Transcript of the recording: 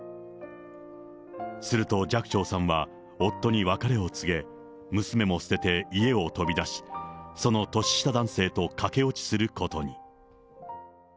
すると寂聴さんは夫に別れを告げ、娘も捨てて家を飛び出し、その年下男性と駆け落ちすることに。